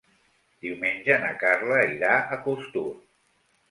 Diumenge na Carla irà a Costur.